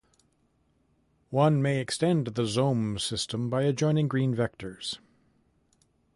One may extend the Zome system by adjoining green vectors.